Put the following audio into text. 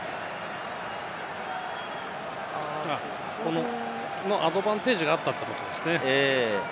このアドバンテージがあったってことですね。